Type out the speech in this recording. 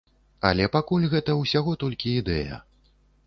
Але пакуль гэта ўсяго толькі ідэя.